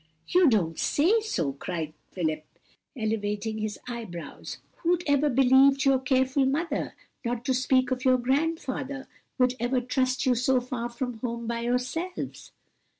"You don't say so!" cried Philip, elevating his eyebrows. "Who'd ever have believed your careful mother not to speak of your grandfather would ever trust you so far from home by yourselves!"